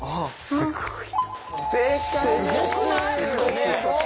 すごい。